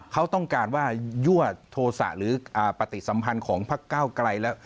เขาต้องการว่ายั่วโทษะหรือปฏิสัมพันธ์ของพักเก้าไกลแล้ว